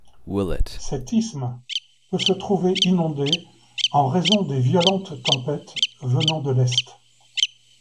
Cet isthme peut se retrouver inondé en raison des violentes tempêtes venant de l'est.